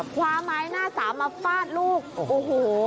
ขวามัยหน้าสามาฟาดลูกโอ้โห